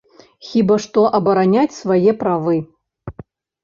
Хіба што абараняць свае правы.